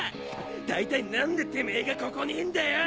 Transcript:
大体何でてめぇがここにいんだよ